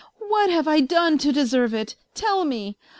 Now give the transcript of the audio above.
" What have I done to deserve it ? Tell me.